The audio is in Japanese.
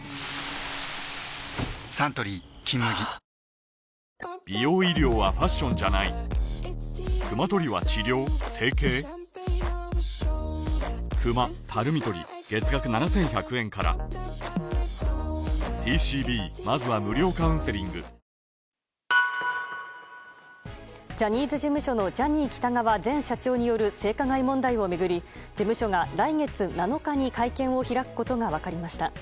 サントリー「金麦」ジャニーズ事務所のジャニー喜多川前社長による性加害問題を巡り事務所が来月７日に会見を開くことが分かりました。